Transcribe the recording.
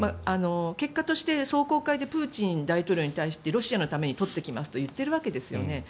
結果として壮行会でプーチン大統領に対してロシアのために取ってきますと言ってるわけですよね。